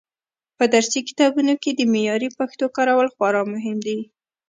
په درسي کتابونو کې د معیاري پښتو کارول خورا مهم دي.